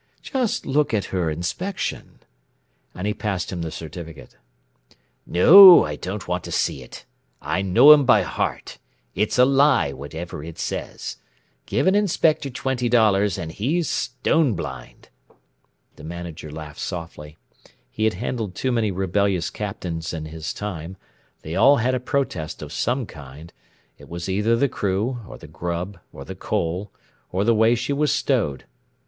Just look at her inspection " and he passed him the certificate. "No I don't want to see it! I know 'em by heart: it's a lie, whatever it says. Give an inspector twenty dollars and he's stone blind." The Manager laughed softly. He had handled too many rebellious captains in his time; they all had a protest of some kind it was either the crew, or the grub, or the coal, or the way she was stowed.